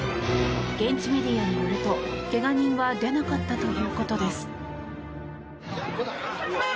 現地メディアによると、怪我人は出なかったということです。